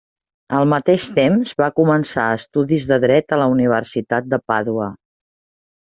Al mateix temps, va començar estudis de Dret a la universitat de Pàdua.